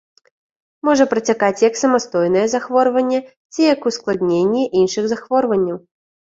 Можа працякаць як самастойнае захворванне ці як ускладненне іншых захворванняў.